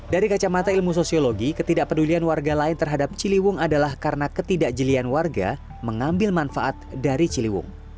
dari kacamata ilmu sosiologi ketidakpedulian warga lain terhadap ciliwung adalah karena ketidakjelian warga mengambil manfaat dari ciliwung